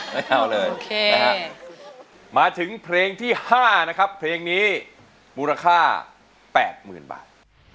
ไม่เอาเลยมาถึงเพลงที่๕นะครับเพลงนี้มูลค่า๘๐๐๐บาท